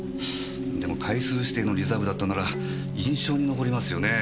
でも階数指定のリザーブだったんなら印象に残りますよねえ。